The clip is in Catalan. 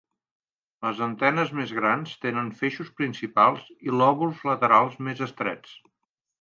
Les antenes més grans tenen feixos principals i lòbuls laterals més estrets.